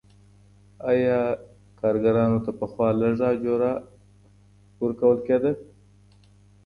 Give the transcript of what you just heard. آیا کارګرانو ته پخوا لږه اجوره ورکول کیده؟